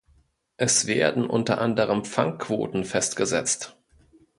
Es werden unter anderem Fangquoten festgesetzt.